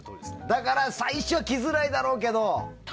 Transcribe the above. だから、最初は着づらいだろうけど。